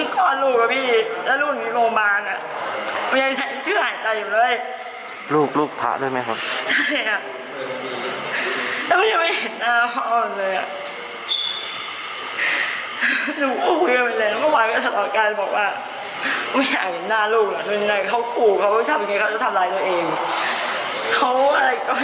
เขาปู่เขาว่าจะทำยังไงเขาจะทำร้ายตัวเองเขาว่าอะไรก็อยากว่า